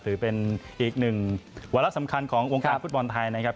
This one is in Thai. ถือเป็นอีกหนึ่งวาระสำคัญของวงการฟุตบอลไทยนะครับ